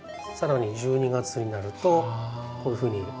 更に１２月になるとこういうふうに。